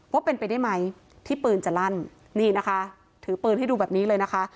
ว่าเป็นไปได้ไหมที่ปืนจะลั่นนี่นะคะถือปืนให้ดูแบบนี้เลยนะคะ